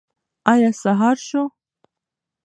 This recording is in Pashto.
ایا سهار شو؟